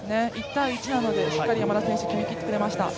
１対１なので、しっかり山田選手決めきってくれました。